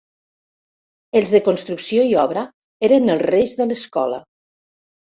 Els de Construcció i Obra eren els reis de l'escola.